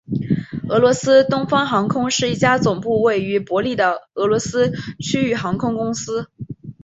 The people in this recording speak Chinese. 俄罗斯东方航空是一家总部位于伯力的俄罗斯区域航空公司。